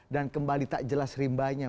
dan kembali tak jelas rimbanya